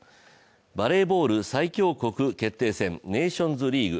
バレーボール最強国決定戦ネーションズリーグ。